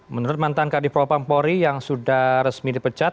menurut mantan kadipropan pory yang sudah resmi dipecat